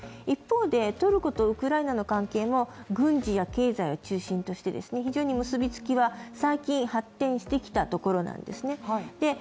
一方で、トルコとウクライナの関係も軍事や経済と中心として非常に結びつきは、最近発展してきたところなんですね。